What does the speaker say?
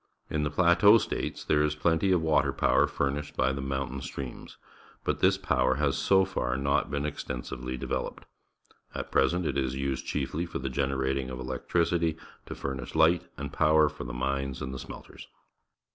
In the Plateau States there is plenty of water po^^"er furnished by the mountain The Roosevelt Dam across Salt River, Arizona streams, but this power has so far not been extensively developed. At present it is used chiefly for the generating of electricity to furnish light and power for the mines and the smelters.